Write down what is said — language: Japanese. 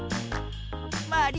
まり。